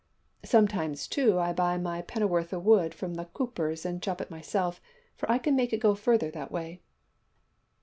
Sometimes, too, I buy my penn'orth o' wood from the coopers and chop it myself, for I can make it go further that way.'